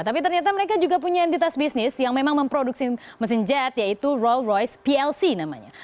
tapi ternyata mereka juga punya entitas bisnis yang memang memproduksi mesin jet yaitu rolls royce plc namanya